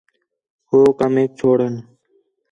ہو کمیک چھوڑݨ